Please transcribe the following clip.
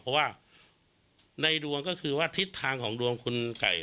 เพราะว่าในดวงก็คือว่าทิศทางของดวงคุณไก่